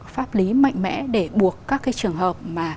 pháp lý mạnh mẽ để buộc các cái trường hợp mà